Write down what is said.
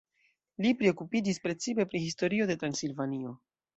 Li priokupiĝis precipe pri historio de Transilvanio.